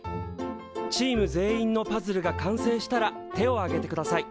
チーム全員のパズルが完成したら手を挙げてください。